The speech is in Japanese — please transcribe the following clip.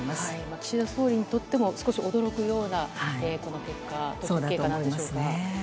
岸田総理にとっても少し驚くようなこの結果なんでしょうか。